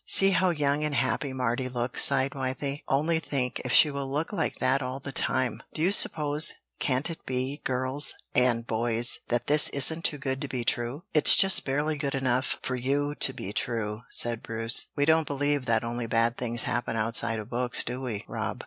"See how young and happy Mardy looks," sighed Wythie. "Only think, if she will look like that all the time! Do you suppose, can it be, girls and boys that this isn't too good to be true?" "It's just barely good enough for you to be true," said Bruce. "We don't believe that only bad things happen outside of books, do we, Rob?"